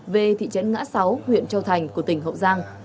về thị trấn ngã sáu huyện châu thành của tỉnh hậu giang